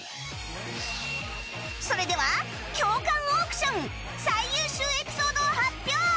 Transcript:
それでは共感オークション最優秀エピソードを発表！